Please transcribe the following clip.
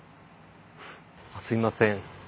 すみません。